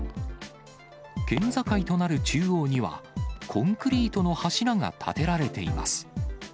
県境となる中央には、コンクリートの柱が建てられています。